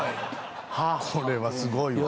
これはすごいわ。